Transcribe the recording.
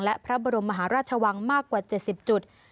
และพระบรมมหาราชวังมากกว่า๗๐จุด